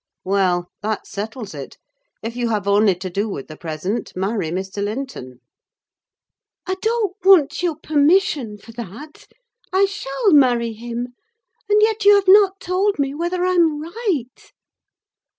"Well, that settles it: if you have only to do with the present, marry Mr. Linton." "I don't want your permission for that—I shall marry him: and yet you have not told me whether I'm right."